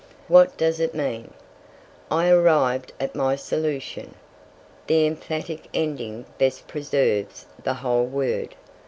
What does it mean? I arrived at my solution. The emphatic ending best preserves the whole word.